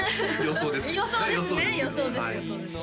予想ですね